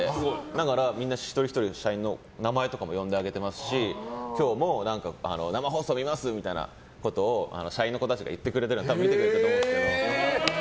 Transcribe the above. だからみんな一人ひとり社員の名前とかも読んであげてますし今日も生放送見ますみたいなことを社員の子たちが言ってたので見てくれてると思うんですけど。